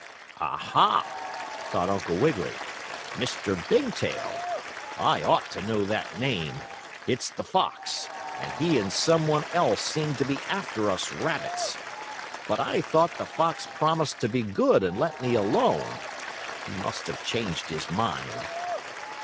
"Ah, ha!" thought Uncle Wiggily. "Mr. Bigtail! I ought to know that name. It's the fox, and he and some one else seem to be after us rabbits. But I thought the fox promised to be good and let me alone. He must have changed his mind."